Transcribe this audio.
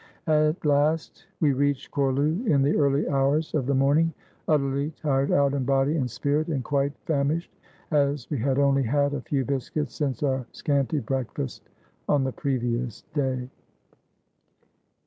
450 THE FLIGHT FROM LULE BURGAS At last we reached Chorlu in the early hours of the morning, utterly tired out in body and spirit and quite famished, as we had only had a few biscuits since our scanty breakfast on the previous day.